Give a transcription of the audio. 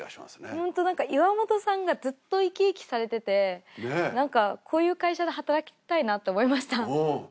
ほんとなんか岩元さんがずっと生き生きされててなんかこういう会社で働きたいなって思いました